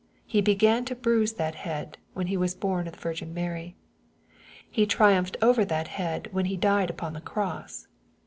He began to bruise that head, when he was bom of the Virgin Mary. He triumphed over that head when He died upon the cross.